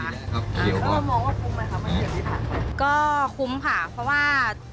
แล้วก็มองว่าภูมิไหมครับมันเก็บที่ทาน